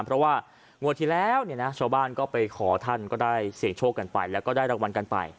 เพราะว่างวดที่แล้วเนี่ยนะชาวบ้านก็ไปขอท่านก็ได้เสี่ยงโชคกันไปแล้วก็ได้รางวัลกันไป